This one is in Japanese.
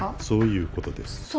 そういうことです。